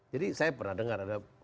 jadi saya pernah dengar ada